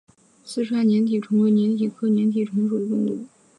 四川粘体虫为粘体科粘体虫属的动物。